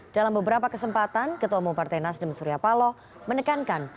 dalam beberapa kesempatan ketua umum partai nasdem surya paloh menekankan